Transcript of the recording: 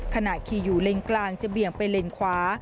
ขณะขี่อยู่เลนกลางจะเบี่ยงไปเลนขวา